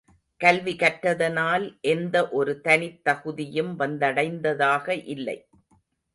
கல்வி கற்றதனால் எந்த ஒரு தனித்தகுதியும் வந்தடைந்ததாக இல்லை.